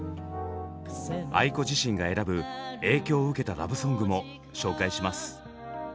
ａｉｋｏ自身が選ぶ影響を受けたラブソングも紹介します。